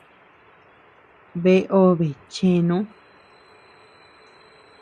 Bea obe chenu.